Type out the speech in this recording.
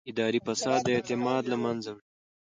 اداري فساد اعتماد له منځه وړي